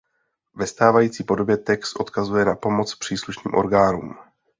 Ve stávající podobě text odkazuje na pomoc příslušným orgánům.